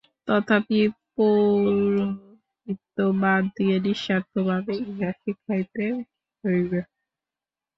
তথাপি পৌরোহিত্য বাদ দিয়া নিঃস্বার্থভাবেই ইহা শিখাইতে হইবে।